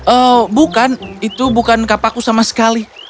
oh bukan itu bukan kapaku sama sekali